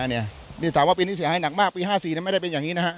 นี่ถามว่าปีนี้เสียหายหนักมากปี๕๔ไม่ได้เป็นอย่างนี้นะฮะ